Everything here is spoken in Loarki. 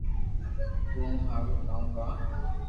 تو ھون او ھارو ڪاو ھي